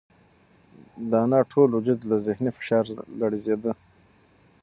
د انا ټول وجود له ذهني فشاره رېږدېده.